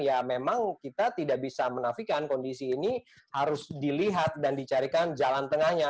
ya memang kita tidak bisa menafikan kondisi ini harus dilihat dan dicarikan jalan tengahnya